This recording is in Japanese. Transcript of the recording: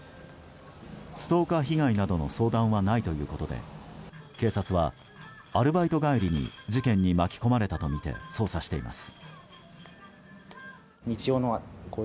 ストーカー被害などの相談はないということで警察は、アルバイト帰りに事件に巻き込まれたとみて捜査しています。